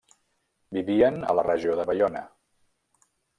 Vivien a la regió de Baiona.